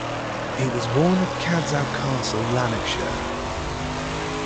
He was born at Cadzow Castle, Lanarkshire.